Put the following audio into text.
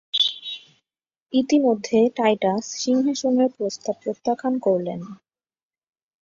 ইতিমধ্যে টাইটাস সিংহাসনের প্রস্তাব প্রত্যাখ্যান করলেন।